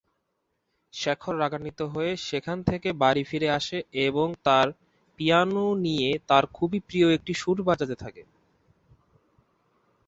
শেখর রাগান্বিত হয়ে সেখান থেকে বাড়ি ফিরে আসে এবং তার পিয়ানো নিয়ে তার খুবই প্রিয় একটি সুর বাজাতে থাকে।